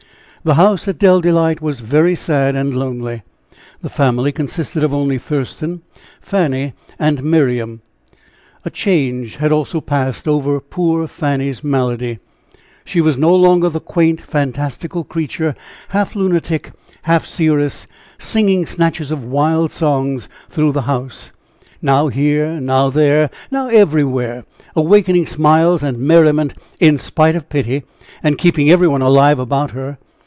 The house at Dell Delight was very sad and lonely. The family consisted of only Thurston, Fanny and Miriam. A change had also passed over poor Fanny's malady. She was no longer the quaint, fantastical creature, half lunatic, half seeress, singing snatches of wild songs through the house now here, now there now everywhere, awaking smiles and merriment in spite of pity, and keeping every one alive about her.